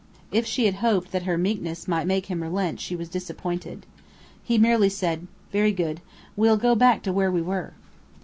If she had hoped that her meekness might make him relent she was disappointed. He merely said, "Very good. We'll go back to where we were."